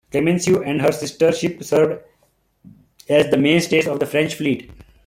"Clemenceau" and her sister ship served as the mainstays of the French fleet.